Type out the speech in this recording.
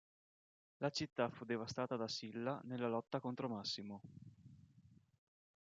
La città fu devastata da Silla nella lotta contro Massimo.